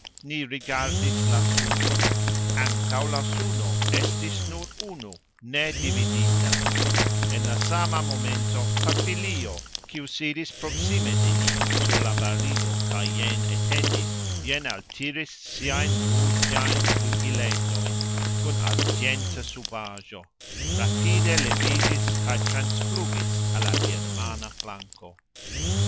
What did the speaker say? Ni rigardis la sunon. Ankaux la suno estis nur unu, nedividita. En la sama momento papilio, kiu sidis proksime de ni sur la barilo kaj jen etendis, jen altiris siajn rugxajn flugiletojn kun argxenta subajxo, rapide levigxis kaj transflugis al la germana flanko.